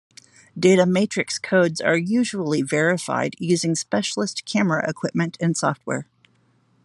Data Matrix codes are usually verified using specialist camera equipment and software.